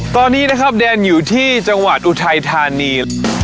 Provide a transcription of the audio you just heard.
ตอนนี้นะครับแดนอยู่ที่จังหวัดอุทัยธานี